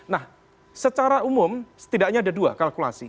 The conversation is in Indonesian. nah secara umum setidaknya ada dua kalkulasi